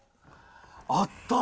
あった。